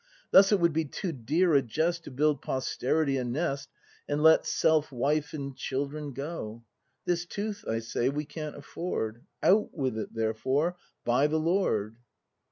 Thus it would be too dear a jest To build posterity a nest And let self, wife, and children go; This tooth, I say, we can't afford: Out with it, therefore, by the Lord!